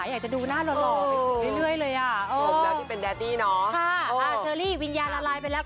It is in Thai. อยากจะดูหน้าหล่อเรื่อยเลยอ่ะ